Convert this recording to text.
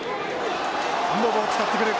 ムボボを使ってくる！